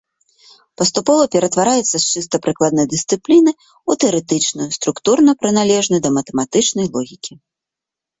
Паступова ператвараецца з чыста прыкладной дысцыпліны ў тэарэтычную, структурна прыналежную да матэматычнай логікі.